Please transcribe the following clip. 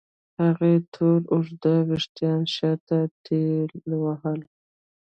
هغې تور اوږده وېښتان شاته ټېلوهل.